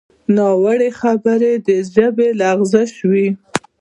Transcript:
ناوړه خبره د ژبې لغزش وي